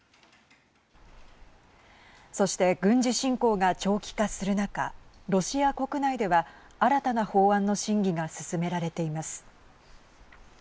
そして、軍事侵攻が長期化する中ロシア国内では新たな法案の審議が進められています。